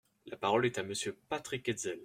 La parole est à Monsieur Patrick Hetzel.